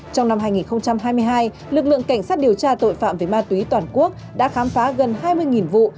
trong năm hai nghìn hai mươi hai lực lượng cảnh sát điều tra tội phạm về ma túy toàn quốc đã khám phá gần hai mươi vụ